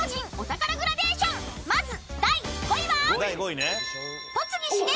［まず第５位は］